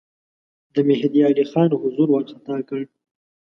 د مهدی علي خان حضور وارخطا کړ.